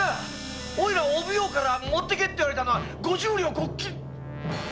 おいらがお奉行から持ってけと言われたのは五十両こっきり！